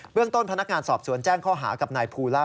เรื่องต้นพนักงานสอบสวนแจ้งข้อหากับนายภูล่า